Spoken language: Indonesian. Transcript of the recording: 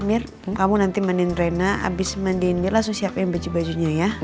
mir kamu nanti mandiin reyna abis mandiin dia langsung siapin baju bajunya ya